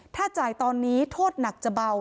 ถ้าจ่ายตอนนี้โทษหนักจะเบา